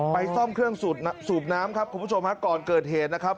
ซ่อมเครื่องสูบน้ำครับคุณผู้ชมฮะก่อนเกิดเหตุนะครับ